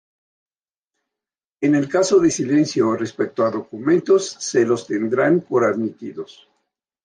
En el caso de silencio respecto a documentos, se lo tendrán por admitidos.